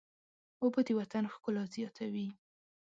اوبه د وطن ښکلا زیاتوي.